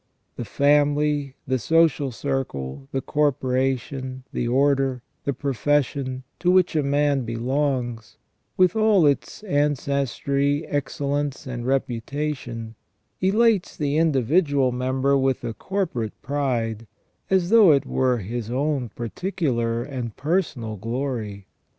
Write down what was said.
The family, the social circle, the corporation, the order, the pro fession, to which a man belongs, with all its ancestry, excellence, and reputation, elates the individual member with a corporate pride, as though it were his own particular and personal glory.